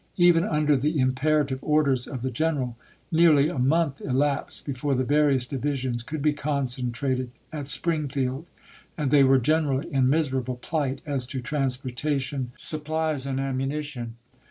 Even under the imperative orders of the general, nearly a month elapsed before the various divisions could be concentrated at Springfield; and they were generally in miserable plight as to transportation, supplies, and ammunition.